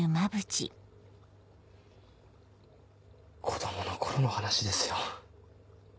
子供の頃の話ですよ。